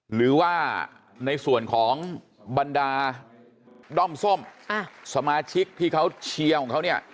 หรือว่าในส่วนของบรรดาด้อมส้มสมาชิกที่เขาเชียร์ของเขาเนี่ย